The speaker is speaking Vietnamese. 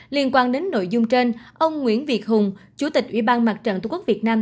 liên quan đến nội dung trên ông nguyễn việt hùng chủ tịch ủy ban mặt trận tổ quốc việt nam